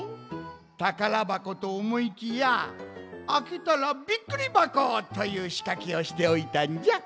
たからばことおもいきやあけたらビックリばこというしかけをしておいたんじゃ。